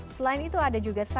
selain itu ada juga